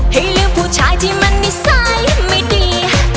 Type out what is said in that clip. ให้ลืมผู้ชายที่มันนิสัยไม่ดี